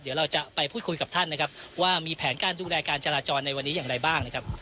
เดี๋ยวเราจะไปพูดคุยกับท่านนะครับว่ามีแผนการดูแลการจราจรในวันนี้อย่างไรบ้างนะครับ